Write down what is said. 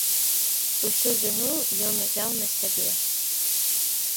Усю віну ён узяў на сябе.